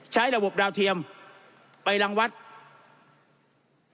ใช้ระบบดาวเทียมไปรังวัด